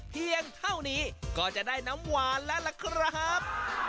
เพียงเท่านี้ก็จะได้น้ำหวานแล้วล่ะครับ